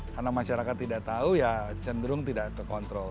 karena masyarakat tidak tahu ya cenderung tidak terkontrol